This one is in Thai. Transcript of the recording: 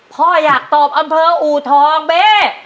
พ่ออยากตอบอำเภออูทองเบ้